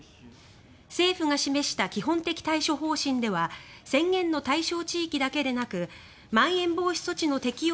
政府が示した基本的対処方針では宣言の対象地域だけでなくまん延防止措置の適用